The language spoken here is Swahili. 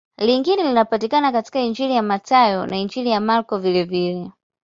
Lingine linapatikana katika Injili ya Mathayo na Injili ya Marko vilevile.